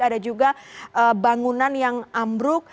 ada juga bangunan yang ambruk